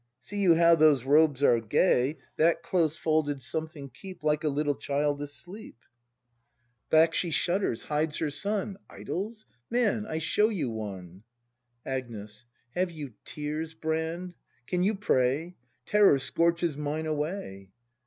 See you how those robes are gay, That close folded something keep Like a little child asleep? 148 BRAND [act iu Back she shudders! Hides her son! Idols ?— Man, I show you one! Agnes. Have you tears, Brand ? Can you pray ? Terror scorches mine away!